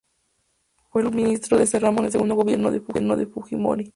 Fue el último ministro de ese ramo del segundo gobierno de Fujimori.